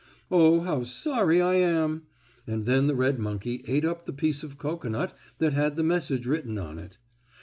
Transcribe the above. Oh, how sorry I am!" and then the red monkey ate up the piece of cocoanut that had the message written on it.